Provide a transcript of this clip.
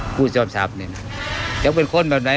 ผู้จอบสับเนี่ยนะอยากเป็นคนแบบไหน